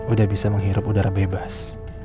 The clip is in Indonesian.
udah bisa menghirup udara bebas